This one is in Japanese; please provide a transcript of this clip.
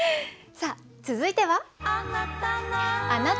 さあ続いては。